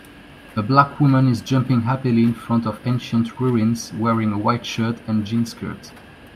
A black woman is jumping happily in front of ancient ruins wearing a white shirt and jean skirt